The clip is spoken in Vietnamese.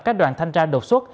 các đoàn thanh tra đột xuất